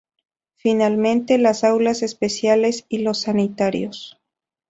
Finalmente, las aulas especiales y los sanitarios.